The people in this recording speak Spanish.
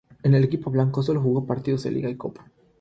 En el equipo blanco sólo jugó partidos de Liga y Copa.